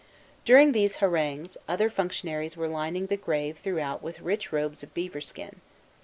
During these harangues, other functionaries were lining the grave throughout with rich robes of beaver skin.